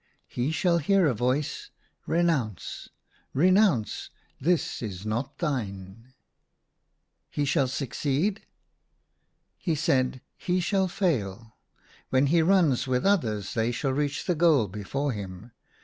he shall hear a voice —* Renounce ! re nounce ! this is not thine !'" "He shall succeed ?" He said, " He shall fail. When he runs with others they shall reach the goal before him.